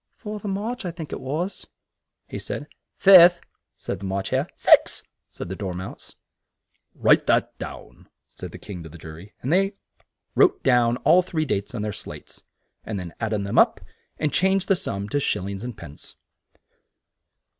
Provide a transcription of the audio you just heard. "Fourth of March, I think it was," he said. "Fifth," said the March Hare. "Sixth," add ed the Dor mouse. "Write that down," said the King to the ju ry, and they wrote down all three dates on their slates, and then added them up and changed the sum to shil lings and pence.